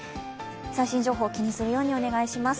最新情報を気にするようにお願いします。